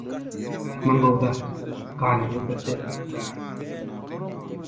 Ýaman gowy zat, ganyňy köpeldýä, daýy.